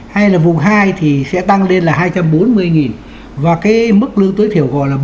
hay là vùng hai thì sẽ tăng lên là hai trăm bốn mươi và cái mức lương tối thiểu họ là bốn một trăm sáu mươi đồng